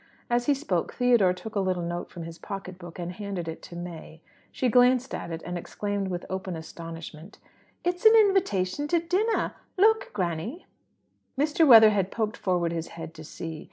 As he spoke, Theodore took a little note from his pocket book, and handed it to May. She glanced at it, and exclaimed with open astonishment, "It's an invitation to dinner! Look, granny!" Mr. Weatherhead poked forward his head to see.